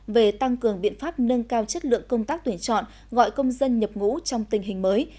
về tăng cường biện pháp nâng cao chất lượng công tác tuyển chọn gọi công dân nhập ngũ trong tình hình mới